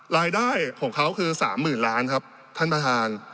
รายได้ของเขาคือ๓๐๐๐ล้านครับท่านประธาน